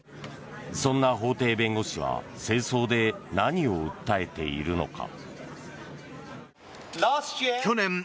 そんな法廷弁護士は正装で何を訴えているのか。